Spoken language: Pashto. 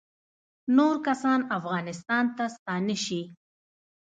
نور کسان افغانستان ته ستانه شي